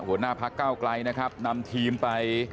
หัวหน้าพักเก้าไกลนะครับนำทีมไป